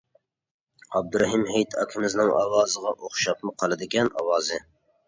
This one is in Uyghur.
ئابدۇرېھىم ھېيت ئاكىمىزنىڭ ئاۋازىغا ئوخشاپمۇ قالىدىكەن ئاۋازى.